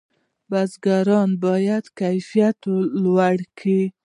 بزګران باید کیفیت لوړ کړي.